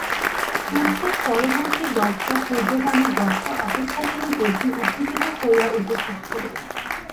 প্রত্যেক পরবর্তী বক্তা পূর্বগামী বক্তা অপেক্ষা যেন বেশী উত্তেজিত হইয়া উঠিতেছিলেন।